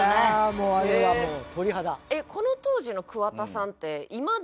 もうあれはもう鳥肌。